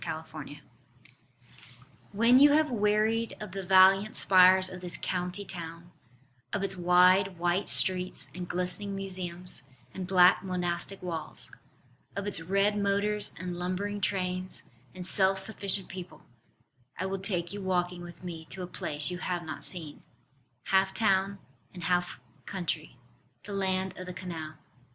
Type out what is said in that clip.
OXFORD CANAL When you have wearied of the valiant spires of this County Town, Of its wide white streets and glistening museums, and black monastic walls, Of its red motors and lumbering trains, and self sufficient people, I will take you walking with me to a place you have not seen Half town and half country the land of the Canal.